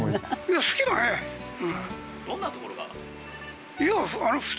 どんなところが？